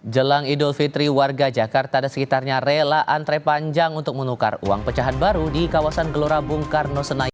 jelang idul fitri warga jakarta dan sekitarnya rela antre panjang untuk menukar uang pecahan baru di kawasan gelora bung karno senayan